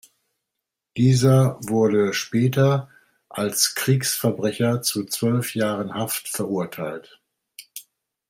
Dieser wurde später als Kriegsverbrecher zu zwölf Jahren Haft verurteilt.